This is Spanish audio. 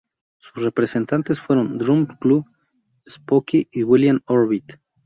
Sus representantes fueron Drum Club, Spooky y William Orbit.